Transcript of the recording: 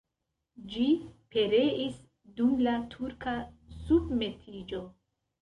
Ĝi pereis dum la turka submetiĝo.